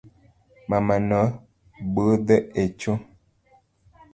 Mamano budho echo